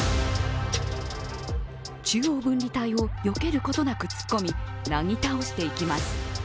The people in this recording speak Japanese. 中央分離帯をよけることなく突っ込み、なぎ倒していきます。